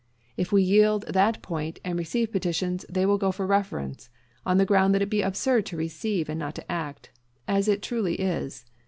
If we yield that point and receive petitions, they will go for reference, on the ground that it is absurd to receive and not to act as it truly is.